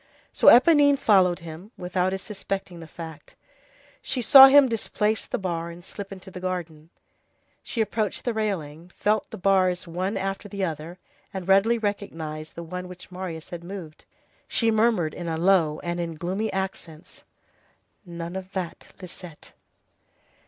So Éponine followed him, without his suspecting the fact. She saw him displace the bar and slip into the garden. She approached the railing, felt of the bars one after the other, and readily recognized the one which Marius had moved. She murmured in a low voice and in gloomy accents:— "None of that, Lisette!"